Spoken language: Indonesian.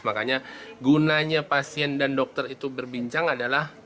makanya gunanya pasien dan dokter itu berbincang adalah